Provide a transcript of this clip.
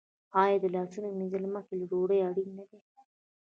آیا د لاسونو مینځل مخکې له ډوډۍ اړین نه دي؟